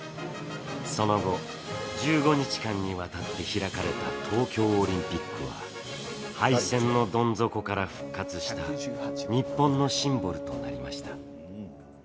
その後、１５日間にわたって開かれた東京オリンピックは敗戦のどん底から復活した日本のシンボルとなりました。